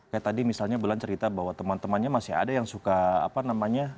kayak tadi misalnya bulan cerita bahwa teman temannya masih ada yang suka apa namanya